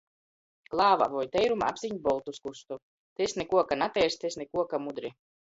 Klāvā voi teirumā, apsīņ boltu skustu. Tys nikuo, ka nateirs. Tys nikuo, ka mudri.